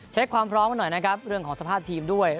เช็คความพร้อมนักหน่อยเรื่องของสภาพทีมด้วย